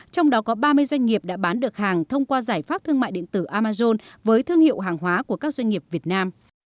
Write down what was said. trong đó có ba mươi doanh nghiệp đã bán được hàng thông qua giải pháp thương mại điện tử amazon với thương hiệu hàng hóa của các doanh nghiệp việt nam